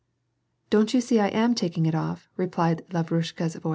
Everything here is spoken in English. ^" Don't you see I am taking it off," replied Lavruslika's voice.